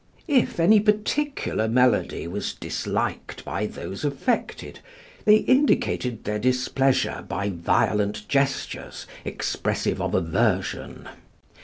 If any particular melody was disliked by those affected, they indicated their displeasure by violent gestures expressive of aversion.